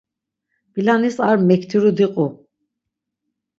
Pilanis ar mektiru diqu.